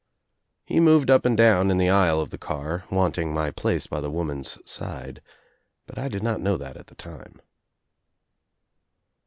He moved up and down in the aisle of the car, wanting my place by the woman's side, but I did not know that at the time.